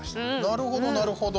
なるほど、なるほど。